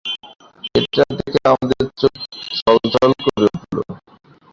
এটা দেখে আমাদের চোখ ছলছল করে উঠল।